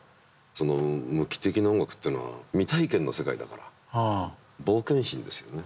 その無機的な音楽ってのは未体験の世界だから冒険心ですよね。